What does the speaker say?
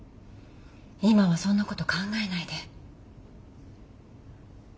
今はそんなこと考えないで。